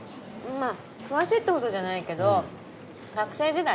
まぁ詳しいってほどじゃないけど学生時代